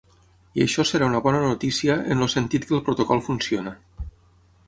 I això serà una bona notícia en el sentit que el protocol funciona.